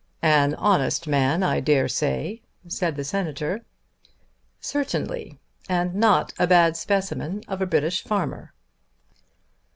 "An honest man, I dare say," said the Senator. "Certainly; and not a bad specimen of a British farmer."